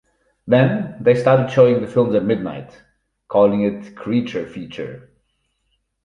Then, they started showing the films at midnight, calling it "Creature Feature".